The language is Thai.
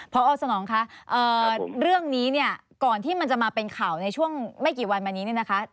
พอสนองคะเรื่องนี้เนี่ยก่อนที่มันจะมาเป็นข่าวในช่วงไม่กี่วันมานี้เนี่ยนะคะ